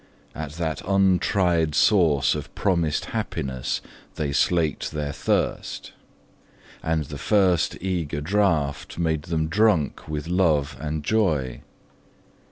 At that untried source of promised happiness they slaked their thirst, and the first eager draught made them drunk with love and joy.